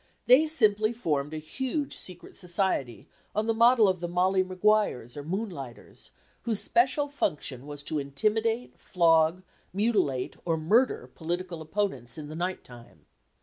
They simply formed a huge secret society on the model of the "Molly Maguires" or "Moonlighters," whose special function was to intimidate, flog, mutilate, or murder political opponents in the night time.